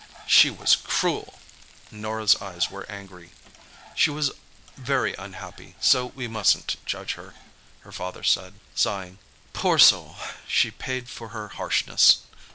"She was cruel." Norah's eyes were angry. "She was very unhappy, so we mustn't judge her," her father said, sighing. "Poor soul, she paid for her harshness.